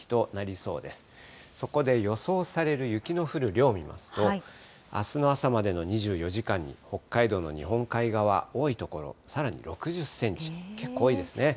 そこで予想される雪の降る量見ますと、あすの朝までの２４時間に、北海道の日本海側、多い所、さらに６０センチ、結構多いですね。